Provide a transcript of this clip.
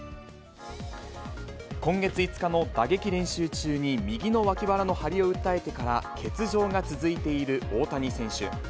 今月５日の打撃練習中に、右の脇腹の張りを訴えてから欠場が続いている大谷選手。